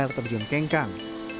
air terjun kengkang